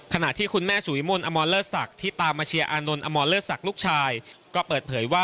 ขณะที่คุณแม่สุยมนต์อเรศรัครที่ตามมาเชียรอบอเรศรัคร